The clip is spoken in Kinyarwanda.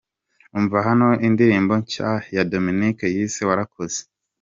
Umva hano indirimbo nshya ya Dominic yise “Warakoze”.